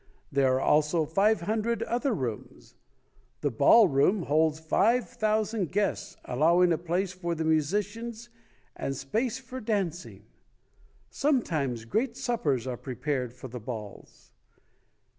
There are also five hundred other rooms. The ballroom holds five thousand guests, allowing a place for the musicians and space for dancing. Sometimes great suppers are prepared for the balls.